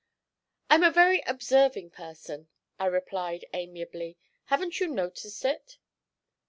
'I'm a very observing person,' I replied amiably; 'haven't you noticed it?'